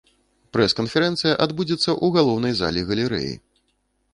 Прэс-канферэнцыя адбудзецца ў галоўнай залі галерэі.